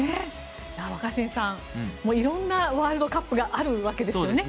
若新さんいろんなワールドカップがあるわけですよね。